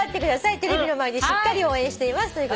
「テレビの前でしっかり応援しています」